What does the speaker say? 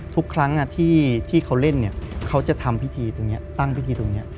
ทุกครั้งที่เขาเล่นเนี่ยเขาจะทำพิธีตรงนี้ตั้งพิธีตรงนี้